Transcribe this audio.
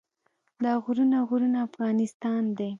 دا غرونه غرونه افغانستان دی.